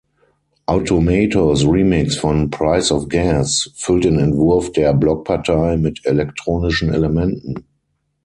Automatos Remix von „Price of Gas“ füllt den Entwurf der Blockpartei mit elektronischen Elementen.